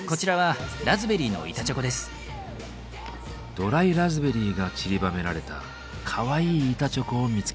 ドライラズベリーがちりばめられたかわいい板チョコを見つけました。